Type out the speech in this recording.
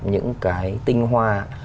những cái tinh hoa